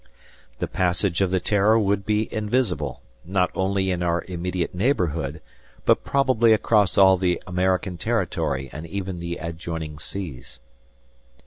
The passage of the "Terror" would be invisible, not only in our immediate neighborhood, but probably across all the American territory and even the adjoining seas.